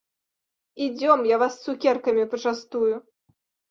Ідзём, я вас цукеркамі пачастую.